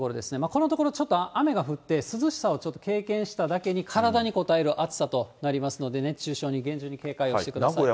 このところちょっと雨が降って、涼しさをちょっと経験しただけに、体にこたえる暑さとなりますので、熱中症に厳重に警戒をしてください。